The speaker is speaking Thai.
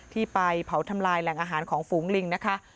ที่ไปเผาทำลายแหล่งอาหารของฝูงลิงนะคะ